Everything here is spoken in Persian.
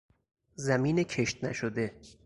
زمین کشتنشده